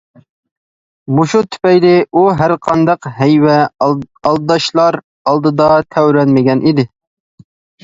مۇشۇ تۈپەيلى ئۇ ھەرقانداق ھەيۋە، ئالداشلار ئالدىدا تەۋرەنمىگەن ئىدى.